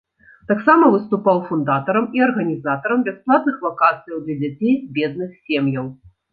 Таксама выступаў фундатарам і арганізатарам бясплатных вакацыяў для дзяцей з бедных сем'яў.